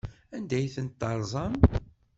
Anda ay tent-terẓam?